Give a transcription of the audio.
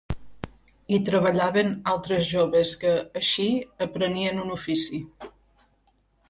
Hi treballaven altres joves que, així, aprenien un ofici.